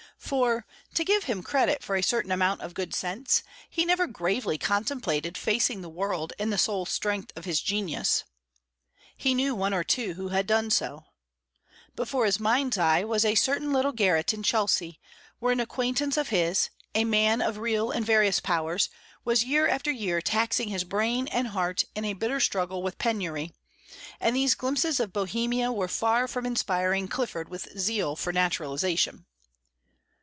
For, to give him credit for a certain amount of good sense, he never gravely contemplated facing the world in the sole strength of his genius. He knew one or two who had done so; before his mind's eye was a certain little garret in Chelsea, where an acquaintance of his, a man of real and various powers, was year after year taxing his brain and heart in a bitter struggle with penury; and these glimpses of Bohemia were far from inspiring Clifford with zeal for naturalization.